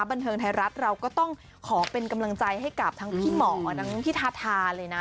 บันเทิงไทยรัฐเราก็ต้องขอเป็นกำลังใจให้กับทั้งพี่หมอทั้งพี่ทาทาเลยนะ